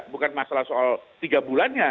bukan masalah soal tiga bulannya